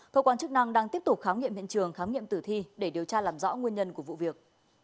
cơ quan chức năng đang tiếp tục khám nghiệm hiện trường khám nghiệm tử thi để điều tra làm rõ nguyên nhân của vụ việc